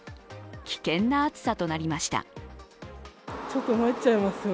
危険な暑さとなりました。